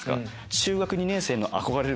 中学２年生の憧れる